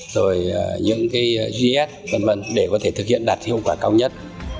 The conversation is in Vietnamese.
rồi những cái gs v v để có thể thực hiện đạt hiệu quả cao nhất